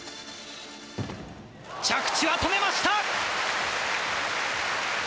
着地は止めました。